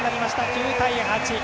９対８。